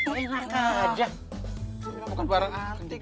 bukan barang antik